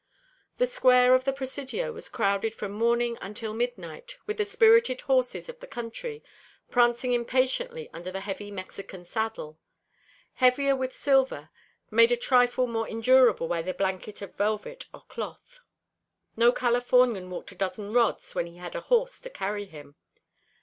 The square of the Presidio was crowded from morning until midnight with the spirited horses of the country, prancing impatiently under the heavy Mexican saddle, heavier with silver, made a trifle more endurable by the blanket of velvet or cloth. No Californian walked a dozen rods when he had a horse to carry him.